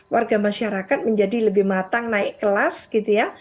warga masyarakat menjadi lebih matang naik kelas gitu ya